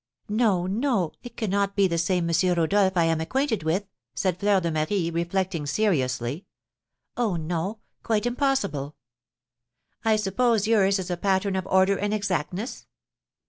"No, no, it cannot be the same M. Rodolph I am acquainted with," said Fleur de Marie, reflecting seriously; "oh, no, quite impossible!" "I suppose yours is a pattern of order and exactness?"